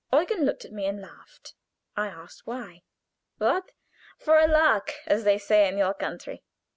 Eugen looked at me and laughed. I asked why. "What for a lark! as they say in your country."